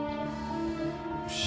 よし。